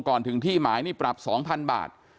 ก่อนถึงที่หมายนี่ปรับ๒๐๐๐บาท